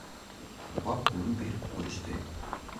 Уға ҡулын биреп күреште.